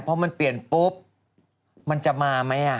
พอมันเปลี่ยนปุ๊บมันจะมาไหม